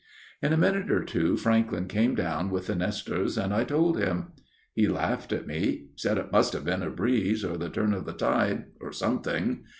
" In a minute or two Franklyn came down with the Nestors, and I told him. He laughed at me. He said it must have been a breeze, or the turn of the tide, or something.